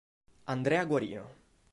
Andrea Guarino